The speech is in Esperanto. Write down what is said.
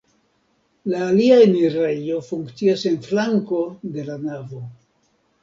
La alia enirejo funkcias en flanko de la navo.